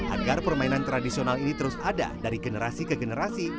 agar permainan tradisional ini terus ada dari generasi ke generasi